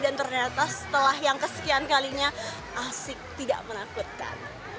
ternyata setelah yang kesekian kalinya asik tidak menakutkan